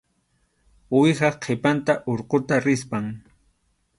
Uwihap qhipanta urquta rispam.